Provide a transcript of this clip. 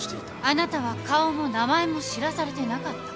あなたは顔も名前も知らされてなかった